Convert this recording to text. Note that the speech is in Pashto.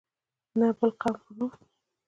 نه د بل قوم په نوم.